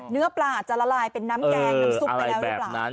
เนื้อปลาจะละลายเป็นน้ำแกงน้ำซุปไปแล้วหรือเปล่า